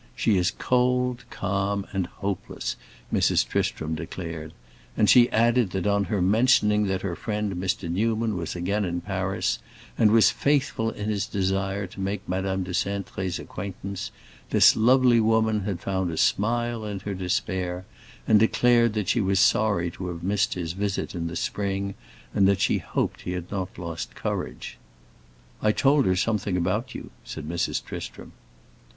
"She is cold, calm, and hopeless," Mrs. Tristram declared, and she added that on her mentioning that her friend Mr. Newman was again in Paris and was faithful in his desire to make Madame de Cintré's acquaintance, this lovely woman had found a smile in her despair, and declared that she was sorry to have missed his visit in the spring and that she hoped he had not lost courage. "I told her something about you," said Mrs. Tristram.